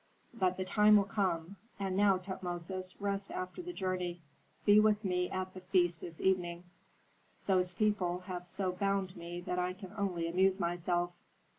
But the time will come And now, Tutmosis, rest after the journey; be with me at the feast this evening. Those people have so bound me that I can only amuse myself.